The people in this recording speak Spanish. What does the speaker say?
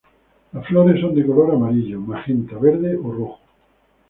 Las flores son de color amarillo, magenta, verde o rojo.